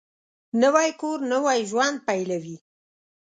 نوی کور نوی ژوند پېلوي